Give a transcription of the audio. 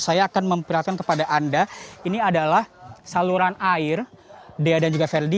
saya akan memperlihatkan kepada anda ini adalah saluran air dea dan juga verdi